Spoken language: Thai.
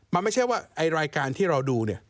มันไม่ใช่ว่าไอ้รายการที่เราดูเนี่ย